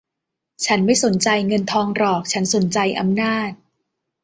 ฉันไม่สนใจเงินทองหรอก ฉันสนใจอำนาจ